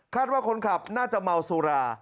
ว่าคนขับน่าจะเมาสุรา